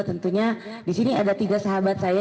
tentunya di sini ada tiga sahabat saya